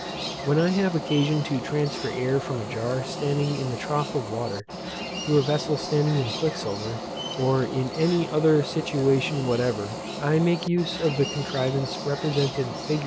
When I have occasion to transfer air from a jar standing in the trough of water to a vessel standing in quicksilver, or in any other situation whatever, I make use of the contrivance represented fig.